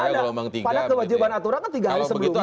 padahal kewajiban aturan kan tiga hari sebelumnya